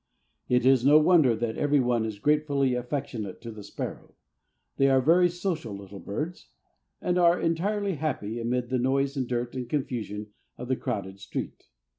It is no wonder that every one is gratefully affectionate to the sparrow. They are very social little birds, and are entirely happy amid the noise and dirt and confusion of the crowded street.